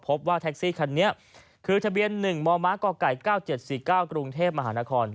พบว่าแท็กซี่คันนี้คือทะเบียน๑มมก๙๗๔๙กรุงเทพมหานคร